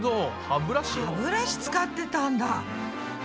歯ブラシ使ってたんだ。